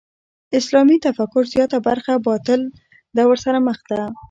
اسلامي تفکر زیاته برخه باطل دور سره مخ ده.